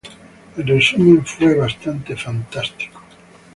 En resumen, fue bastante fantástico".